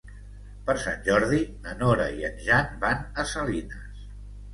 Per Sant Jordi na Nora i en Jan van a Salines.